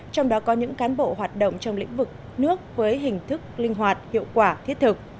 trong đó có những cán bộ hoạt động trong lĩnh vực nước với hình thức linh hoạt hiệu quả thiết thực